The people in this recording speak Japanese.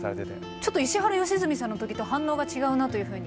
ちょっと石原良純さんの時と反応が違うなというふうに。